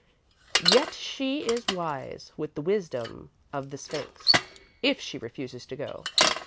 Yet she is wise, with the wisdom of the Sphinx, if she refuses to go.